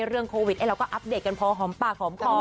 เรื่องโควิดเราก็อัปเดตกันพอหอมปากหอมคอ